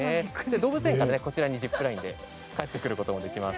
動物園からジップラインでこちらに帰ってくることもできます。